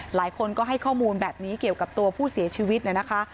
หลายคนก็ให้ข้อมูลแบบนี้เกี่ยวกับตัวผู้เสียชีวิตเนี่ยนะคะ